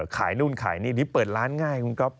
ขายนู่นขายนี่นี่เปิดร้านง่ายคุณก๊อฟ